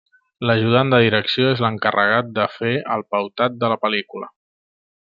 L'ajudant de direcció és l'encarregat de fer el pautat de la pel·lícula.